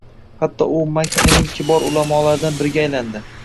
Hatto u Makkaning kibor ulamolaridan biriga aylandi